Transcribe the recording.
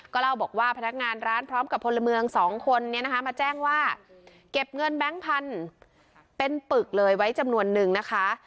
เล่าบอกว่าพนักงานร้านพร้อมกับพลเมืองสองคนเนี่ยนะคะมาแจ้งว่าเก็บเงินแบงค์พันธุ์เป็นปึกเลยไว้จำนวนนึงนะคะ